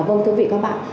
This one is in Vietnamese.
vâng thưa vị các bạn